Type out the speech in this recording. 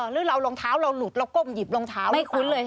หรือเรารองเท้าเราหลุดเราก้มหยิบรองเท้าไม่คุ้นเลย